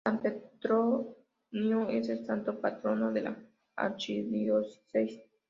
San Petronio es el santo patrono de la archidiócesis.